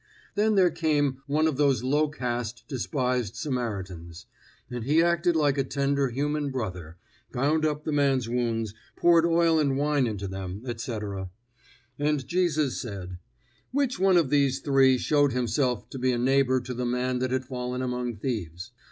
Then there came one of those low caste despised Samaritans; and he acted like a tender human brother, bound up the man's wounds, poured oil and wine into them, etc. And Jesus said: Which one of these three showed himself to be a neighbor to the man that had fallen among thieves?